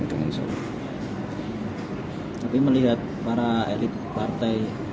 tapi melihat para elit partai